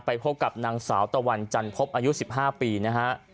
ไปพบกับนางสาวตะวันจันทรพอายุสิบห้าปีนะฮะ